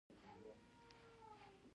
خاوره حاصل ته اړتیا لري.